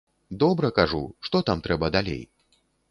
Добра, кажу, што там трэба далей?